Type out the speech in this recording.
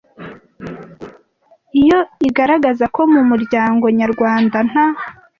Iyo igaragaza ko mu muryango nyarwanda nta